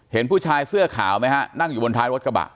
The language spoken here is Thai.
เห็นผู้ชายเสื้อขาวไหมฮะนั่งอยู่บนท้ายรถกระบะ